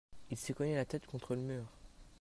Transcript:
Il s'est cogné la tête contre le mur.